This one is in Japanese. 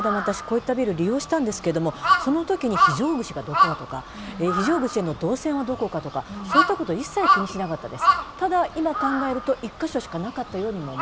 ついこの間も私、こういったビルを利用したんですけれど、その時に非常口がどこだとか、非常口への導線はどこかとか、そういったことを一切、気にしなかったです。